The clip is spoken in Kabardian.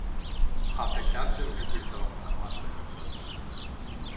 Пхъафэ лъабжьэм жыгыр зыгъэгъу хьэпӀацӀэхэр щӀэсщ.